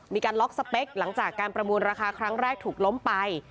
มีการล็อกสเปคหลังจากการประมูลราคาครั้งแรกถูกล้มไป